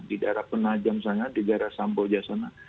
di daerah penajam sana di daerah samboja sana